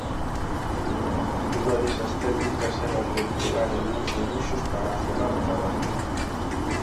Unha desas técnicas era reempregar algúns debuxos para aforrar traballo.